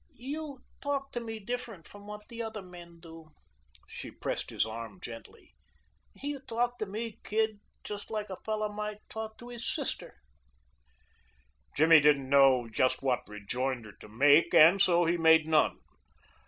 "You talk to me different from what the other men do." She pressed his arm gently. "You talk to me, kid, just like a fellow might talk to his sister." Jimmy didn't know just what rejoinder to make, and so he made none.